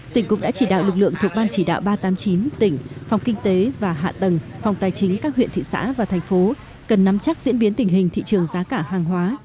tỉnh cũng đã chỉ đạo lực lượng thuộc ban chỉ đạo ba trăm tám mươi chín tỉnh phòng kinh tế và hạ tầng phòng tài chính các huyện thị xã và thành phố cần nắm chắc diễn biến tình hình thị trường giá cả hàng hóa